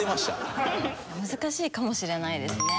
難しいかもしれないですね。